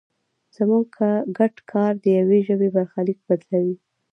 زموږ ګډ کار د یوې ژبې برخلیک بدلوي.